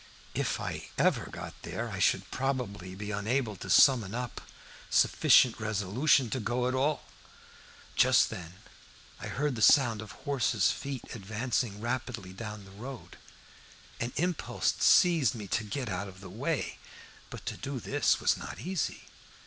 If I ever got there I should probably be unable to summon up sufficient resolution to go at all. Just then I heard the sound of a horse's feet advancing rapidly down the road. An impulse seized me to get out of the way. But to do this was not easy.